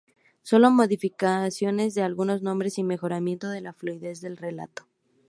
Sólo modificaciones de algunos nombres y mejoramiento de la fluidez del relato.